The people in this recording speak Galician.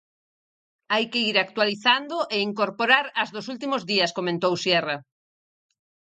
"Hai que ir actualizando e incorporar as dos últimos días", comentou Sierra.